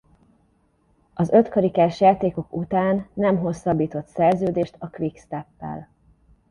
Az ötkarikás játékok után nem hosszabbított szerződést a Quick Steppel.